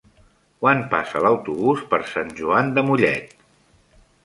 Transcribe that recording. Quan passa l'autobús per Sant Joan de Mollet?